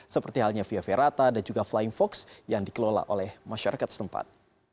seperti halnya via ferata dan juga flying fox yang dikelola oleh masyarakat setempat